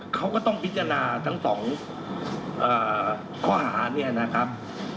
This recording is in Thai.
เขาก็ต้องพิจารณาทั้งสองข้อหาเนี่ยนะครับ